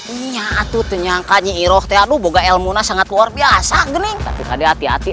ini atuh nyangka nyiroh taduh boga ilmunah sangat luar biasa gening tapi tadi hati hati